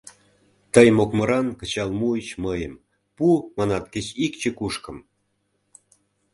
Тый, мокмыран, кычал муыч мыйым, пу, манат, кеч ик чекушкым...